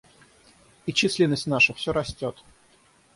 И численность наша все растет.